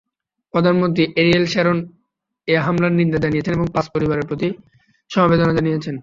প্রধানমন্ত্রী Ariel Sharon এই হামলার নিন্দা জানিয়েছেন এবং পাস পরিবারের প্রতি সমবেদনা জানিয়েছেন।